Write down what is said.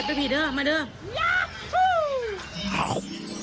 เป็นไงพร